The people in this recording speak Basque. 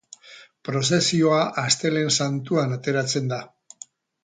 Prozesioa Astelehen Santuan ateratzen da.